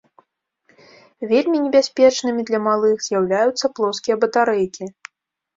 Вельмі небяспечнымі для малых з'яўляюцца плоскія батарэйкі.